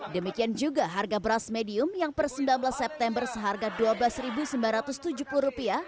demikian juga harga beras medium yang per sembilan belas september seharga rp dua belas sembilan ratus tujuh puluh